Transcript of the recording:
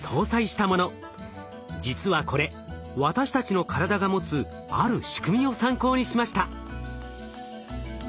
実はこれ私たちの体が持つある仕組みを参考にしました。